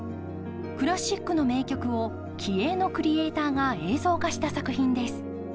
クラシックの名曲を気鋭のクリエーターが映像化した作品です。